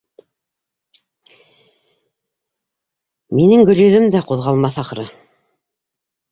Минең Гөлйөҙөм дә ҡуҙғалмаҫ, ахыры.